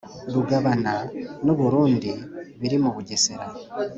rugabana n'u burundi biri mu bugesera.